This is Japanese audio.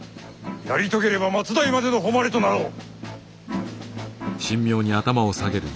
やり遂げれば末代までの誉れとなろう。